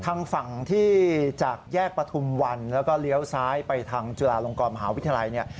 ทางฝั่งที่จากแยกปฐุมวันแล้วก็เลี้ยวซ้ายไปทางจุฬาลงกรมหาวิทยาลัยเนี่ย